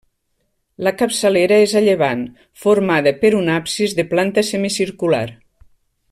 La capçalera és a llevant, formada per un absis de planta semicircular.